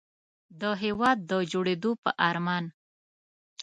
د هېواد د جوړېدو په ارمان.